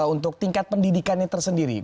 untuk tingkat pendidikannya tersendiri